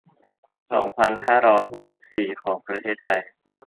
สองพันห้าร้อยหกสิบสี่ ของประเทศไทย